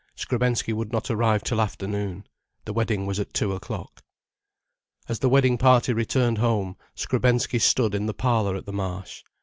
Skrebensky would not arrive till afternoon. The wedding was at two o'clock. As the wedding party returned home, Skrebensky stood in the parlour at the Marsh.